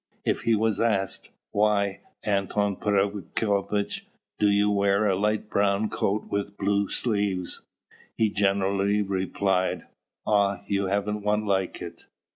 If he was asked, "Why, Anton Prokofievitch, do you wear a light brown coat with blue sleeves?" he generally replied, "Ah, you haven't one like it!